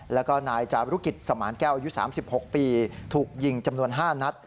แล้วก็นายจารุกิจสมานแก้วอายุ๓๖ปีถูกยิงจำนวน๕นัด